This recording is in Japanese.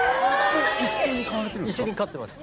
一緒に飼ってます